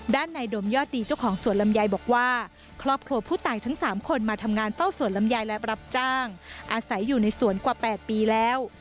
ด้านในดมยอดดีเจ้าของสวนลำไยบอกว่าครอบครัวผู้ตายทั้ง๓คนมาทำงานเฝ้าสวนลำไยและรับจ้างอาศัยอยู่ในสวนกว่า๘ปีแล้ว